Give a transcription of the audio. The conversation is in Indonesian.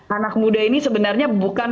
anak muda ini sebenarnya bukan